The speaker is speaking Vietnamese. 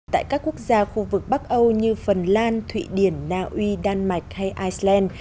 tại các quốc gia khu vực bắc âu như phần lan thụy điển na uy đan mạch hay iceland